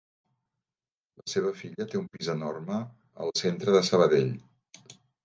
La seva filla té un pis enorme al centre de Sabadell.